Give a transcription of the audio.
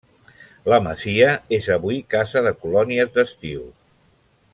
La masia és avui casa de colònies d'estiu.